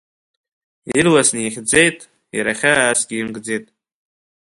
Ирласны ихьӡеит, иара хьаасгьы имкӡеит.